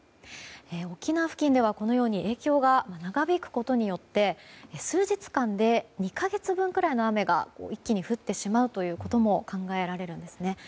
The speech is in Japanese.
沖縄付近では、このように影響が長引くことによって数日間で２か月分ぐらいの雨が一気に降ってしまうことも考えられるんですね。